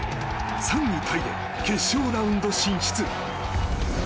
３位タイで決勝ラウンド進出。